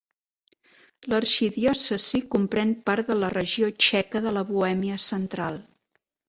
L'arxidiòcesi comprèn part de la regió txeca de la Bohèmia Central.